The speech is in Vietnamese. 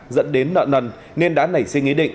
dẫn đến nợ nần nên đã nảy suy nghĩ định